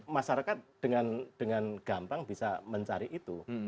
masyarakat dengan gampang bisa mencari itu